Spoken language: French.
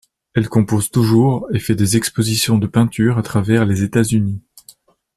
Elle compose toujours et fait des expositions de peinture à travers les États-Unis.